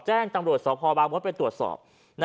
แจ้งตำรวจสพบางมดไปตรวจสอบ